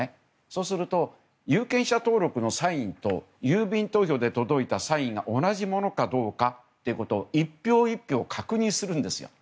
そうすると有権者登録のサインと郵便投票で届いたサインが同じものかどうかを一票一票確認するんです。